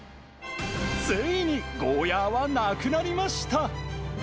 ついにゴーヤはなくなりました。